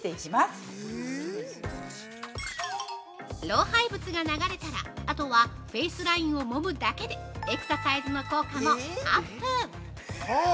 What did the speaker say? ◆老廃物が流れたらあとはフェイスラインをもむだけでエクササイズの効果もアップ。